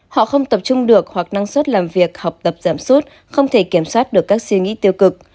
họ không tập trung được hoặc năng suất làm việc học tập giảm sút không thể kiểm soát được các suy nghĩ tiêu cực